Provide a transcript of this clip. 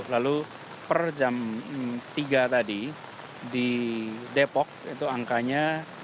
lalu per jam tiga tadi di depok itu angkanya tiga ratus delapan puluh